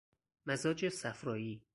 مزاج صفرائی